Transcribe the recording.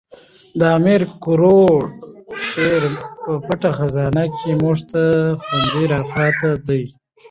د امیر کروړ شعر په پټه خزانه کښي موږ ته خوندي را پاته دئ.